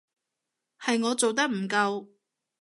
係我做得唔夠